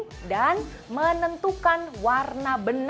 untuk bagian ini berapa sih jumlah kantong yang bisa kita pilih untuk bagian ini